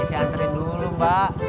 ya saya anterin dulu mbak